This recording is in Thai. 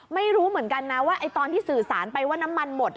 ไม่รู้เหมือนกันนะว่าตอนที่สื่อสารไปว่าน้ำมันหมด